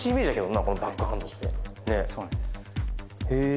そうなんですへえー